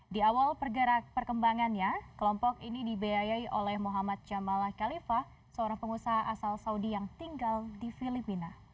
di awal pergerak perkembangannya kelompok ini dibiayai oleh muhammad jamal khalifa seorang pengusaha asal saudi yang tinggal di filipina